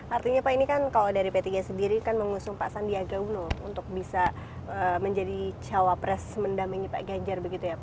artinya pak ini kan kalau dari p tiga sendiri kan mengusung pak sandiaga uno untuk bisa menjadi jawab resmen dan menyipa ganjar bnp